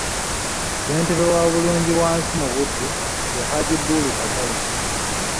Ssentebe wa bulungibwansi mu Buddu ye Haji Bull Katale.